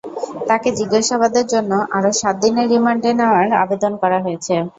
তাঁকে জিজ্ঞাসাবাদের জন্য আরও সাত দিনের রিমান্ডে নেওয়ার আবেদন করা হয়েছে।